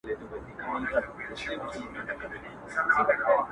په خپلو لپو کي خپل خدای ته زما زړه مات ولېږه-